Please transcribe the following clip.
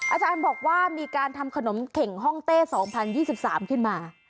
อาจารย์บอกว่ามีการทำขนมเข่งห้องเต้๒๐๒๓ขึ้นมา